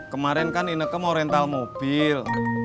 kemarin kan ineke mau rental mobil